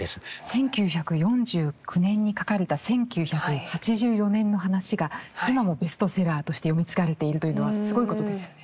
１９４９年に書かれた１９８４年の話が今もベストセラーとして読み継がれているというのはすごいことですよね。